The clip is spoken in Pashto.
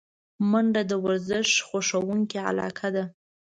منډه د ورزش خوښونکو علاقه ده